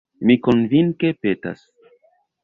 Mi konvinke petas.